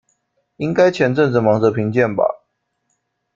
應該前陣子忙著評鑑吧